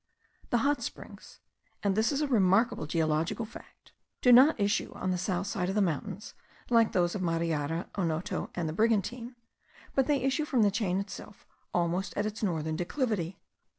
The hot springs (and this is a remarkable geological fact,) do not issue on the south side of the mountains, like those of Mariara, Onoto, and the Brigantine; but they issue from the chain itself almost at its northern declivity.